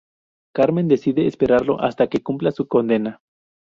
Carmen decide esperarlo hasta que cumpla su condena.